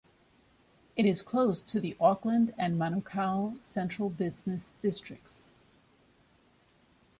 It is close to the Auckland and Manukau central business districts.